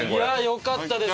よかったです